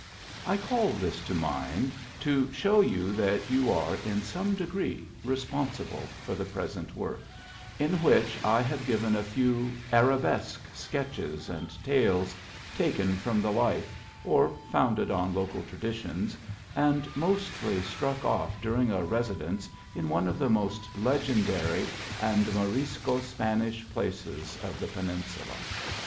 I call this to mind to show you that you are, in some degree, re sponsible for the present work; in which I have given a few " Arabesque " sketches and tales, taken from the life, or founded on local traditions, and mostly struck off during a residence in one of the most legendary and Morisco Spanish places of the Peninsula.